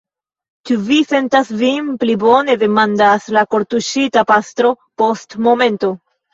Ĉu vi sentas vin pli bone? demandas la kortuŝita pastro post momento.